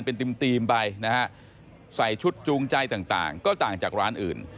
เป็นทีมไปนะฮะใส่ชุดจูงใจต่างก็ต่างจากร้านอื่น